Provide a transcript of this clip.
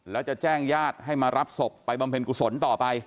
แล้วจะแจ้งญาติให้มารับศพไปบำเพ็ญกุศลต่อไป